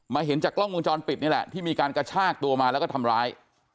เห็นจากกล้องวงจรปิดนี่แหละที่มีการกระชากตัวมาแล้วก็ทำร้าย